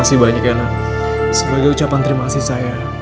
sebagai ucapan terima kasih saya